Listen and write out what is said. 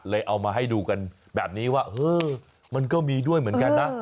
เอามาให้ดูกันแบบนี้ว่าเออมันก็มีด้วยเหมือนกันนะ